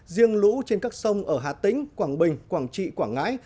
riêng lũ trên các sông ở hà tĩnh quảng bình quảng trị quảng ngãi